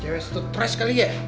cewek stutres kali ya